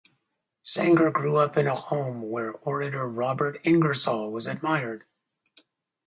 Sanger grew up in a home where orator Robert Ingersoll was admired.